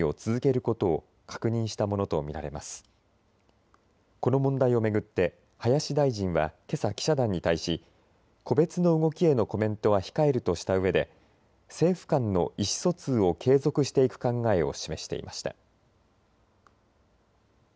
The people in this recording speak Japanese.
この問題を巡って林大臣はけさ記者団に対し個別の動きへのコメントは控えるとしたうえで政府間の意思疎通を継続していく考えを示していました。